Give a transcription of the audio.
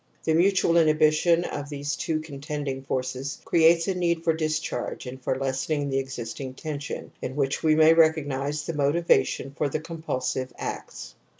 The mutual inhibi tion of these two contending forces creates a need for discharge and for lessening the existing tension, in which we may recognize the motiva tion for the compulsive acts.